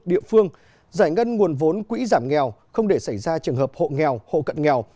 địa phương giải ngân nguồn vốn quỹ giảm nghèo không để xảy ra trường hợp hộ nghèo hộ cận nghèo